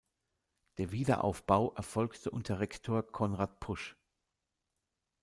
Der Wiederaufbau erfolgte unter Rektor Konrad Pusch.